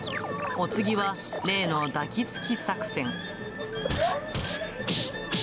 お次は例の抱きつき作戦。